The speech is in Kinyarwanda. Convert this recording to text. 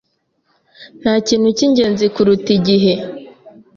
Ntakintu cyingenzi kuruta igihe.